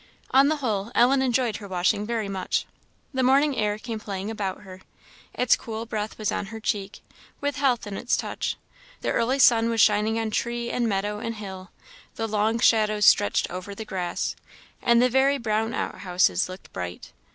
On the whole, Ellen enjoyed her washing very much. The morning air came playing about her; its cool breath was on her cheek, with health in its touch. The early sun was shining on tree, and meadow, and hill; the long shadows stretched over the grass, and the very brown outhouses looked bright.